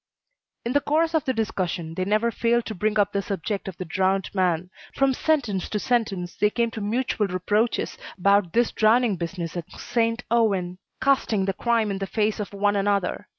In the course of the discussion, they never failed to bring up the subject of the drowned man. From sentence to sentence they came to mutual reproaches about this drowning business at Saint Ouen, casting the crime in the face of one another.